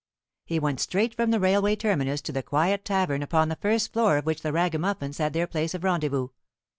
He went straight from the railway terminus to the quiet tavern upon the first floor of which the Ragamuffins had their place of rendezvous.